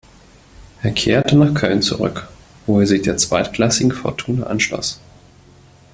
Er kehrte nach Köln zurück, wo er sich der zweitklassigen Fortuna anschloss.